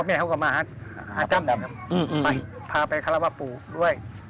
พ่อแม่เขากลับมาหาจ้ำไปพาไปฮาราวะปู่ด้วย